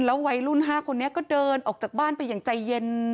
วัยรุ่น๕คนนี้ก็เดินออกจากบ้านไปอย่างใจเย็น